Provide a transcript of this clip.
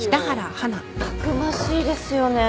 たくましいですよね。